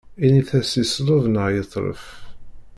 Init-as yesleb neɣ yetlef.